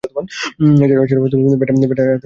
এছাড়াও ব্যাট হাতে দূর্লভ সফলতা পান।